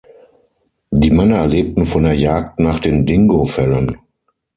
Die Männer lebten von der Jagd nach den Dingo-Fellen.